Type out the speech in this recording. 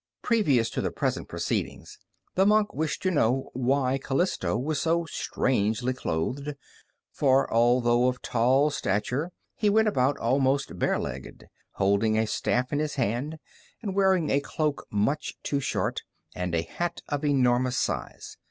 Previous to the present proceedings the monk wished to know why Calisto was so strangely clothed, for, although of tall stature, he went about almost barelegged, holding a staff in his hand, and wearing a cloak much too short, and a hat of enormous size.